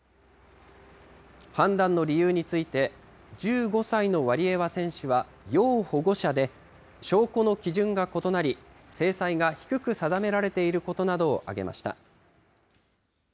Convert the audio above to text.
判断の理由について、１５歳のワリエワ選手は要保護者で、証拠の基準が異なり、制裁が低く定められていることなどを挙げました。